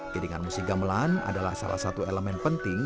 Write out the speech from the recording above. piringan musik gamelan adalah salah satu elemen penting